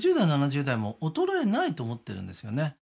６０代７０代も衰えないと思ってるんですよね